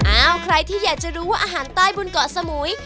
ใครที่อยากจะรู้ว่าอาหารใต้บนเกาะสมุย